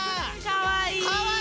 かわいい！